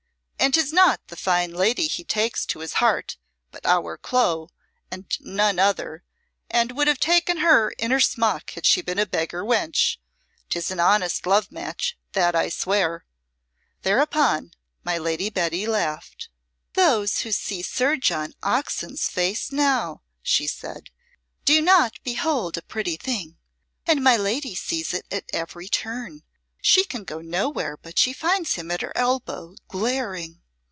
And 'tis not the fine lady he takes to his heart, but our Clo, and none other, and would have taken her in her smock had she been a beggar wench. 'Tis an honest love match, that I swear!" Thereupon my Lady Betty laughed. "Those who see Sir John Oxon's face now," she said, "do not behold a pretty thing. And my lady sees it at every turn. She can go nowhere but she finds him at her elbow glaring."